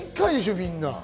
みんな。